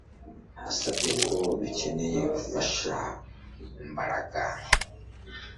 Hasabwe ko dukeneye gufasha Mbaraga